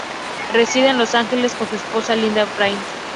Reside en Los Ángeles con su esposa, Linda Phan.